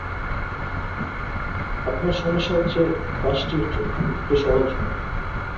আপনার সমস্যা হচ্ছে-গাষ্ঠীর্য একটু সহজ হোন।